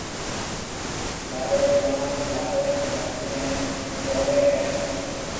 لاڏَي رِي مان لاڏَي ھان لاڏِي نيَ وئونڏَي ھيََََ